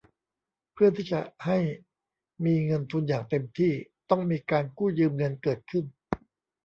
เพื่อที่จะให้มีเงินทุนอย่างเต็มที่ ต้องมีการกู้ยืมเงินเกิดขึ้น